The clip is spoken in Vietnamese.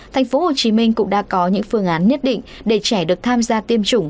thành phố hồ chí minh cũng đã có những phương án nhất định để trẻ được tham gia tiêm chủng